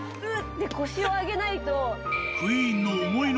て腰を上げないと。